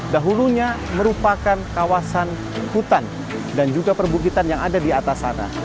dahulunya merupakan kawasan hutan dan juga perbukitan yang ada di atas sana